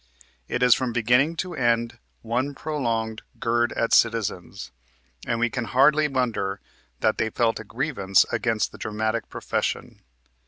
It is from beginning to end one prolonged "gird at citizens," and we can hardly wonder that they felt a grievance against the dramatic profession.